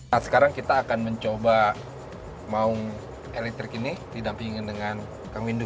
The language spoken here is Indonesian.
nah sekarang kita akan mencoba maung elektrik ini didampingi dengan kang windu